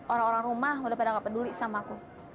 orang orang rumah udah pada gak peduli sama aku